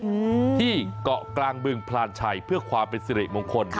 อืมที่เกาะกลางบึงพลานชัยเพื่อความเป็นสิริมงคลค่ะ